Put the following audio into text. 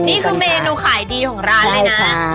นี่คือเมนูขายดีของร้านเลยนะ